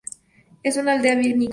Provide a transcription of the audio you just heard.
Es una aldea vinícola.